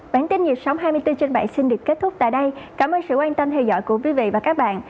bản tin dịch sóng hai mươi bốn trên bản xin được kết thúc tại đây cảm ơn sự quan tâm theo dõi của quý vị và các bạn